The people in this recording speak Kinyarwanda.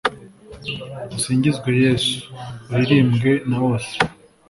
usingizwe yezu, uririmbwe na bose